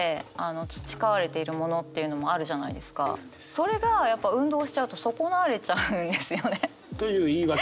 それがやっぱ運動しちゃうと損なわれちゃうんですよね。という言い訳？